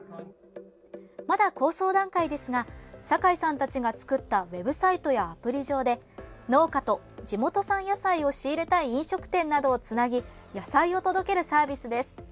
まだ構想段階ですが堺さんたちが作ったＷＥＢサイトやアプリ上で農家と地元産野菜を仕入れたい飲食店などをつなぎ野菜を届けるサービスです。